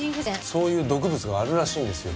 そういう毒物があるらしいんですよ。